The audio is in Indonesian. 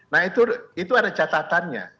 nah itu ada catatannya